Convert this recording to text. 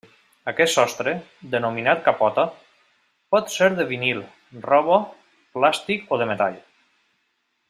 Aquest sostre, denominat capota, pot ser de vinil, roba, plàstic o de metall.